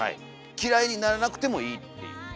嫌いにならなくてもいいっていうそしたら。